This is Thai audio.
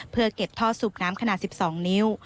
เพื่อเก็บท่อสูบน้ำขนาด๑๒นิ้ว